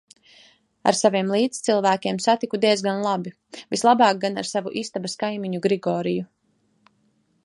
Ar saviem līdzcilvēkiem satiku diezgan labi, vislabāk gan ar savu istabas kaimiņu Grigoriju.